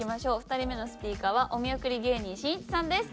２人目のスピーカーはお見送り芸人しんいちさんです。